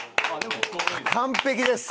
完璧です！